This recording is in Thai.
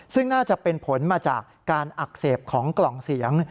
ซึ่งน่าจะเป็นผลมาจากการอักเสบของกล่องเสียง